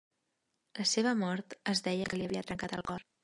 La seva mort, es deia que li havia trencat el cor.